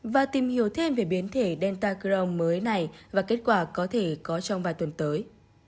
và tìm hiểu thêm về biến thể delta crong mới này và kết quả có thể có trong vài tuần tới